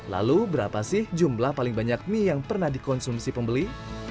lalu berapa sih jumlah paling banyak mie yang pernah dikonsumsi pembeli